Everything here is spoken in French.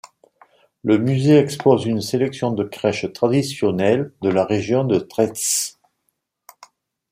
Le musée expose une sélection de crèches traditionnelles de la région de Třešť.